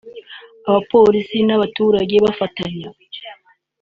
abapolisi n’abaturage bafatanya